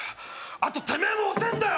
あとてめえも遅えんだよ！